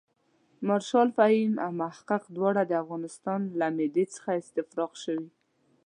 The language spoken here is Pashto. مارشال فهیم او محقق دواړه د افغانستان له معدې څخه استفراق شوي.